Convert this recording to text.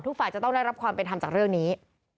ฝ่ายจะต้องได้รับความเป็นธรรมจากเรื่องนี้